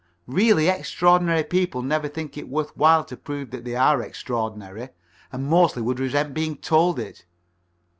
Really extraordinary people never think it worth while to prove that they are extraordinary, and mostly would resent being told it.